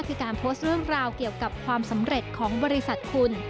คือการโพสต์เรื่องราวเกี่ยวกับความสำเร็จของบริษัทคุณ